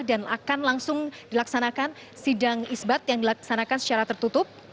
dan akan langsung dilaksanakan sidang isbat yang dilaksanakan secara tertutup